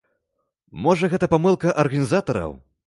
Можа, гэта памылка арганізатараў?